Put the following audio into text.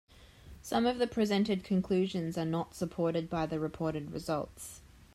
Some of the presented conclusions are not supported by the reported results.